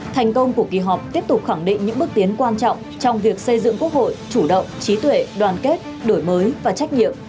thành công của kỳ họp tiếp tục khẳng định những bước tiến quan trọng trong việc xây dựng quốc hội chủ động trí tuệ đoàn kết đổi mới và trách nhiệm